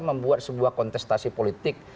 membuat sebuah kontestasi politik